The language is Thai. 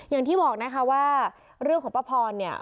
อย่างที่บอกนะคะว่าเรื่องของป้าพรเนี่ย